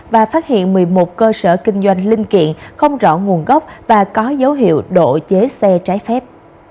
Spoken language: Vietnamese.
và phát hiện một mươi một cơ sở kinh doanh linh kiện không rõ nguồn gốc và có dấu hiệu độ chế xe trái phép